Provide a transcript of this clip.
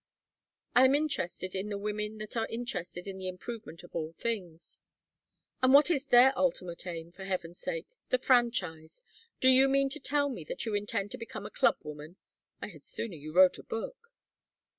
"I am interested in the women that are interested in the improvement of all things." "And what is their ultimate aim, for heaven's sake? The franchise. Do you mean to tell me that you intend to become a Club woman? I had sooner you wrote a book."